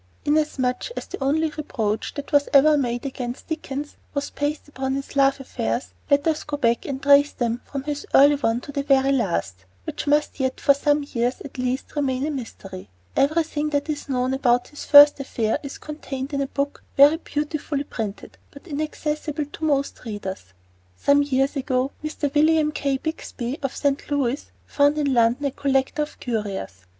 Inasmuch as the only reproach that was ever made against Dickens was based upon his love affairs, let us go back and trace them from this early one to the very last, which must yet for some years, at least, remain a mystery. Everything that is known about his first affair is contained in a book very beautifully printed, but inaccessible to most readers. Some years ago Mr. William K. Bixby, of St. Louis, found in London a collector of curios.